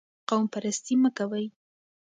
قوم پرستي مه کوئ.